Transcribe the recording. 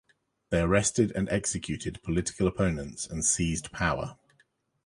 They arrested and executed political opponents and seized power.